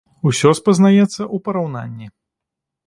Усё спазнаецца ў параўнанні.